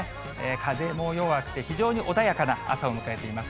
風も弱くて、非常に穏やかな朝を迎えています。